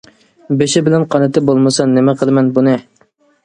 بېشى بىلەن قانىتى بولمىسا، نېمە قىلىمەن بۇنى؟ !